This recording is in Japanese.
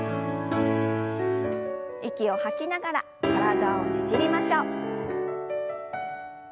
息を吐きながら体をねじりましょう。